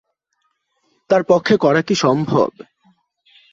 তার পক্ষে করা কি সম্ভব?